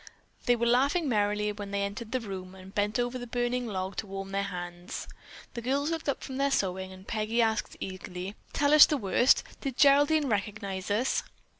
They were laughing merrily when they entered the room and bent over the burning log to warm their hands. The girls looked up from their sewing and Peggy asked eagerly: "Tell us the worst! Did Geraldine recognize us?"